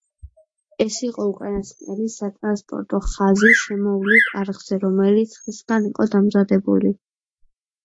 ეს იყო უკანასკნელი სატრანსპორტო ხაზი შემოვლით არხზე, რომელიც ხისგან იყო დამზადებული.